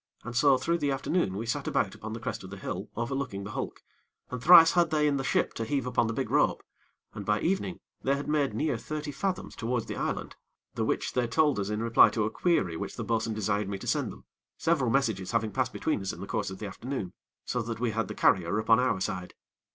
And so through the afternoon we sat about upon the crest of the hill overlooking the hulk, and thrice had they in the ship to heave upon the big rope, and by evening they had made near thirty fathoms towards the island, the which they told us in reply to a query which the bo'sun desired me to send them, several messages having passed between us in the course of the afternoon, so that we had the carrier upon our side.